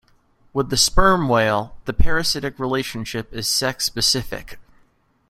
With the sperm whale, the parasitic relationship is sex-specific.